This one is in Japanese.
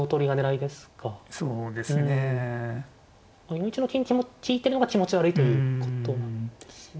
４一の金にも利いてるのが気持ち悪いということなんですね。